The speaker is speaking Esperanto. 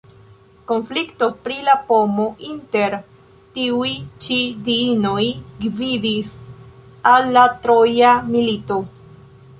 Konflikto pri la pomo inter tiuj ĉi diinoj gvidis al la Troja milito.